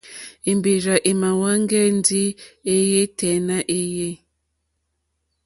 Èmbèrzà èmàáhwɛ̄ŋgɛ̄ ndí èéyɛ́ tɛ́ nà èéyé.